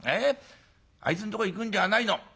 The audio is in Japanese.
あいつんとこへ行くんじゃないの。